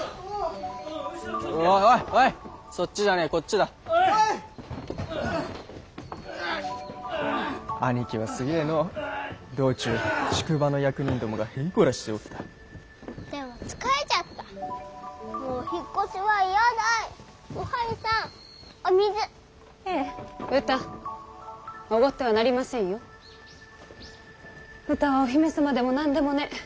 うたはお姫様でも何でもねぇ。